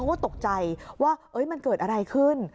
เขาก็ตกใจว่ามันเกิดอะไรขึ้น